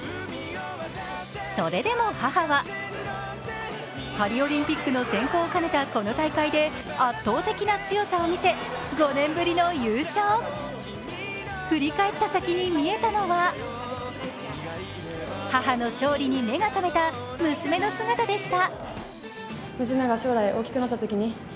それでも母はパリオリンピックの選考を兼ねたこの大会で圧倒的な強さを見せ５年ぶりの優勝振り返った先に見えたのは母の勝利に目が覚めた娘の姿でした。